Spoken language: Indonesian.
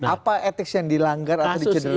apa etis yang dilanggar atau dicederai dari kasus ini